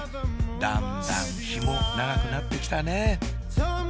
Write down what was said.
だんだん日も長くなってきたね